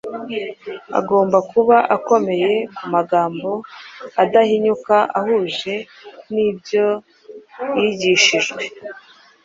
Agomba kuba akomeye ku magambo adahinyuka ahuje n’ibyo yigishijwe.